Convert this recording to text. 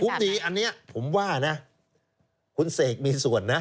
ผมดีอันนี้ผมว่านะคุณเสกมีส่วนนะ